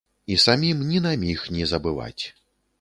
І самім ні на міг не забываць.